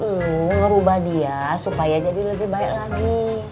lo mau ngerubah dia supaya jadi lebih baik lagi